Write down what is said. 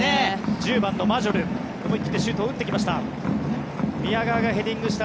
１０番のマジョル思い切ってシュートを打ってきました。